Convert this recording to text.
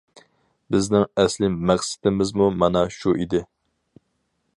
بىزنىڭ ئەسلى مەقسىتىمىزمۇ مانا شۇ ئىدى.